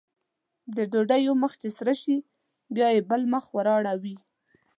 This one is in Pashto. د ډوډۍ یو مخ چې سره شي بیا یې بل مخ ور اړوي.